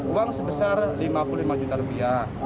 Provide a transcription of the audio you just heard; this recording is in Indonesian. uang sebesar rp lima puluh lima juta